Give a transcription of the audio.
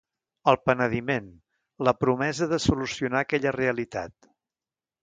El penediment, la promesa de solucionar aquella realitat.